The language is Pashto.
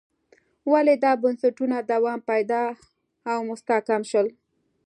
ولې دا بنسټونه دوام پیدا او مستحکم شول.